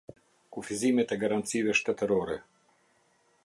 Kufizimet e Garancive Shtetërore.